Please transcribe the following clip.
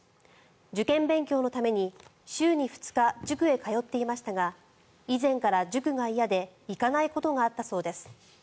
受験勉強のために週に２日、塾に通っていましたが以前から塾が嫌で行かないことがあったそうです。